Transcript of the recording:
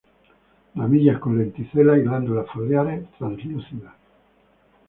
Ramillas con lenticelas, y glándulas foliares translúcidas.